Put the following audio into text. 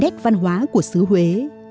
nét văn hóa của xứ huế